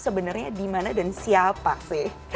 sebenernya dimana dan siapa sih